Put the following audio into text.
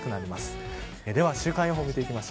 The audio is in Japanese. では週間予報です。